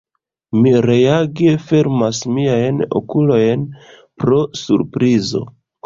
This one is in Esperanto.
Mi reage fermas miajn okulojn pro surprizo.